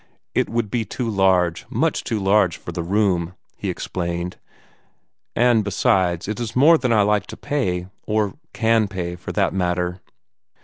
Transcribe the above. "It would be too large much too large for the room," he explained. "And, besides, it is more than I like to pay or CAN pay, for that matter."